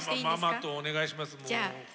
ママとお願いします。